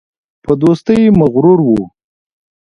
په دوستۍ مغرور وو.